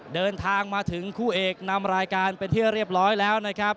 เดินทางมาถึงคู่เอกนำรายการเป็นที่เรียบร้อยแล้วนะครับ